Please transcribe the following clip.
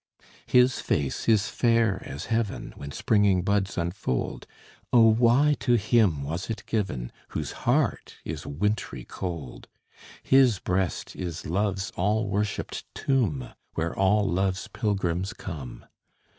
His face is fair as heaven When springing buds unfold; Oh, why to him was 't given, Whose heart is wintry cold? His breast is Love's all worshiped tomb, Where all Love's pilgrims come.